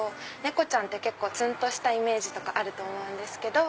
猫ちゃんって結構ツンとしたイメージあると思うんです。